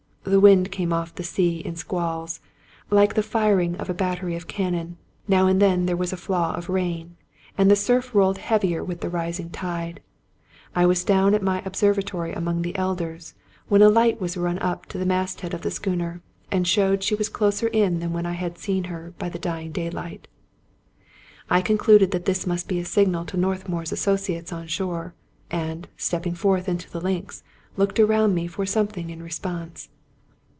The wind came off the sea in squalls, like the firing of a battery of cannon ; now and then there was a flaw of rain, and the surf rolled heavier with the rising tide. I was down at my observatory among the elders, when a light was run up to the masthead of the schooner, and showed she was closer in than when I had last seen her by the dying day light. I concluded that this must be a signal to North mour's associates on shore; and, stepping forth into the links, looked around me for something in response.